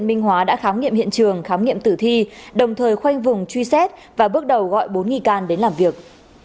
minh hóa đã khám nghiệm hiện trường khám nghiệm tử thi đồng thời khoanh vùng truy xét và bước đầu gọi bốn nghi can đến làm việc